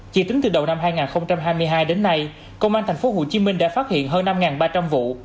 chỉ tính từ đầu năm hai nghìn hai mươi hai đến nay công an thành phố hồ chí minh đã phát hiện hơn năm ba trăm linh vụ